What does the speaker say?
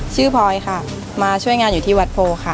พลอยค่ะมาช่วยงานอยู่ที่วัดโพค่ะ